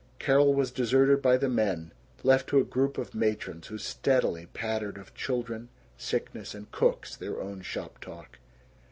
Carol was deserted by the men, left to a group of matrons who steadily pattered of children, sickness, and cooks their own shop talk.